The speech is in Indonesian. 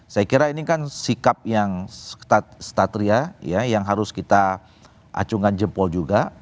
saya kira ini kan sikap yang satria yang harus kita acungkan jempol juga